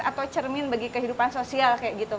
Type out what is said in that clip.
atau cermin bagi kehidupan sosial